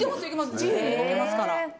自由に動けますから。